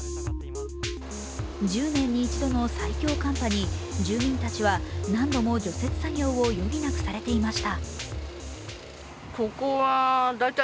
１０年に一度の最強寒波に住民たちは何度も除雪作業を余儀なくされていました。